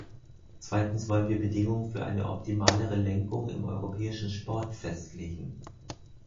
Zweitens wollen wir Bedingungen für eine optimalere Lenkung im europäischen Sport festlegen.